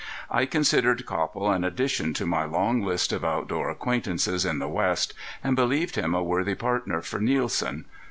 I considered Copple an addition to my long list of outdoor acquaintances in the west, and believed him a worthy partner for Nielsen.